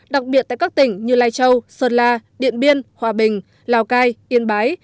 đặc biệt tại các tỉnh như lai châu sơn la điện biên hòa bình lào cai yên bái